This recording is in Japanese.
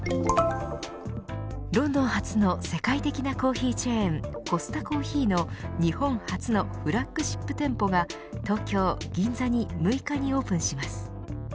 ロンドン発の世界的なコーヒーチェーンコスタコーヒーの日本初のフラッグシップ店舗が東京・銀座に６日にオープンします。